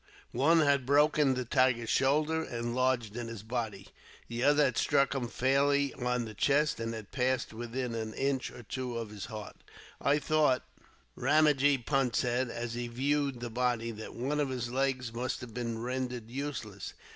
One had broken the tiger's shoulder, and lodged in his body. The other had struck him fairly on the chest, and had passed within an inch or two of his heart. "I thought," Ramajee Punt said, as he viewed the body, "that one of his legs must have been rendered useless.